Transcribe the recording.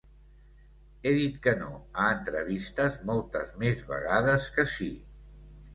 He dit que no a entrevistes moltes més vegades que sí.